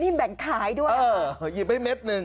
นี่แบ่งขายด้วยเออหยิบได้เม็ดหนึ่ง